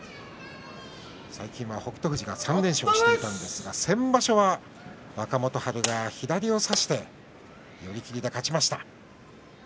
最近は北勝富士が３連勝していたんですが先場所は若元春が左を差して寄り切りで勝ちました。